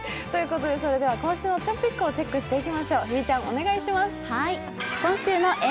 今週のトピックをチェックしていきましょう。